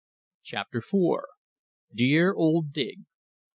CHAPTER IV. "DEAR OLD DIG."